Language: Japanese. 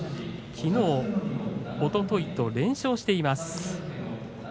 きのう、おとといと連勝しています。